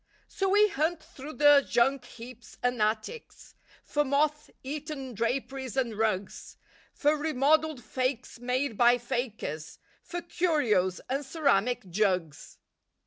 So we hunt through the "junk*lieaps and attics" For moth eaten draperies and rugs, For remodeled fakes made by fakers, For curios and ceramic jugs.